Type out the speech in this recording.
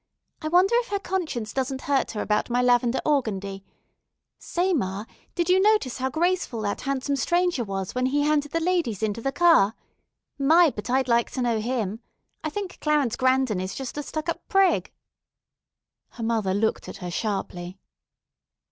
I wonder if her conscience doesn't hurt her about my lavender organdie. Say, ma, did you notice how graceful that handsome stranger was when he handed the ladies into the car? My, but I'd like to know him. I think Clarence Grandon is just a stuck up prig." Her mother looked at her sharply.